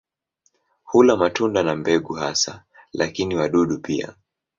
Hula matunda na mbegu hasa, lakini wadudu pia.